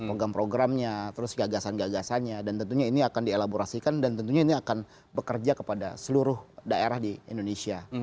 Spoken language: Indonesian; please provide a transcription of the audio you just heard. program programnya terus gagasan gagasannya dan tentunya ini akan dielaborasikan dan tentunya ini akan bekerja kepada seluruh daerah di indonesia